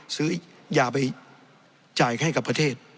ซื้อยาไปจ่ายให้กับประเทศ